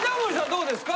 どうですか？